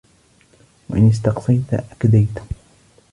وَإِنْ اسْتَقْصَيْت أَكْدَيْتَ